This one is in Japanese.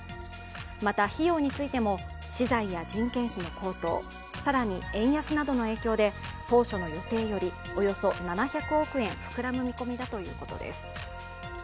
また、費用についても資材や人件費の高騰更に円安などの影響で当初の予定よりおよそ７００億円膨らむ見込みだということです。